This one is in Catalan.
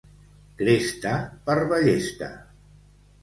Cresta per ballesta.